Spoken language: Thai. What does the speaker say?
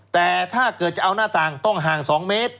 แต่ถ้าเกิดจะเอาหน้าต่างต้องห่าง๒เมตร